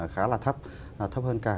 khá là thấp thấp hơn cả